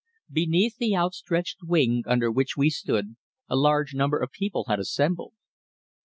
Beneath the outstretched wing under which we stood a large number of people had assembled.